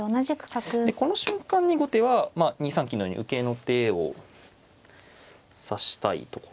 でこの瞬間に後手は２三金のように受けの手を指したいところ。